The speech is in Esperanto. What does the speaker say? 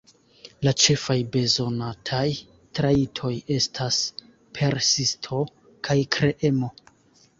La ĉefaj bezonataj trajtoj estas persisto kaj kreemo.